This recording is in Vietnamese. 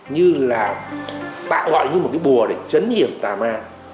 như là tạo gọi như một cái bùa để chấn hiểm tà ma